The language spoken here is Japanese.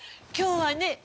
今日はね。